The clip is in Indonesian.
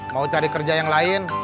mau cari kerja yang lain